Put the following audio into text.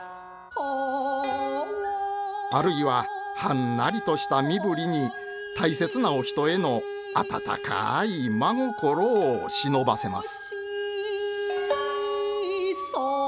あるいははんなりとした身振りに大切なお人への温かい真心を忍ばせます。